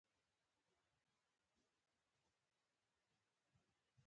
دا دره بیا په دریو درو ویشل شوي: